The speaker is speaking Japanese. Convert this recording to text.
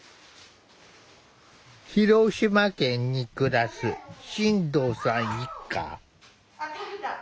広島県に暮らす新藤さん一家。